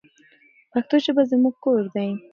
پښتو ژبه زموږ کور دی.